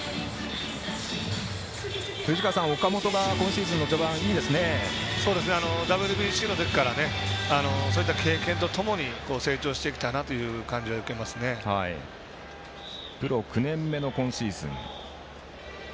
藤川さん、岡本は今シーズンの序盤ＷＢＣの時からそういった経験とともに成長してきたなというプロ９年目の今シーズン。